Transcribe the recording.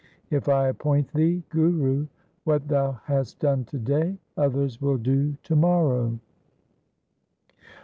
If I appoint thee Guru, what thou hast done to day others will do to morrow.'